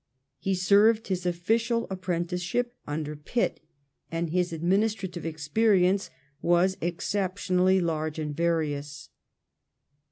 He served his official apprenticeship under Pitt, and his adminis trative experience was exceptionally large and various.